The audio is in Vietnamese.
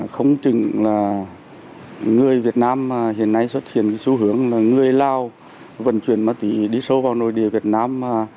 không chừng là người việt nam hiện nay xuất hiện xu hướng là người lào vận chuyển ma túy đi sâu vào nội địa việt nam